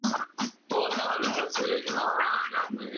Fundó una de las principales dinastías taurinas.